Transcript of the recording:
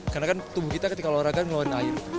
karena kan tubuh kita ketika olahraga meluarin air